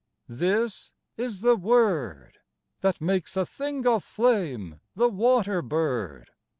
This is the word I That makes a thing of flame the water bird.